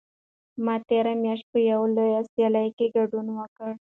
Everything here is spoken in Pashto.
ما تېره میاشت په یوې لویه سیالۍ کې ګډون وکړ.